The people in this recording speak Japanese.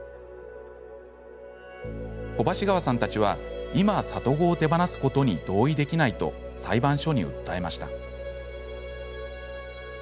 小橋川さんたちは今、里子を手放すことに同意できないと裁判所に訴えました。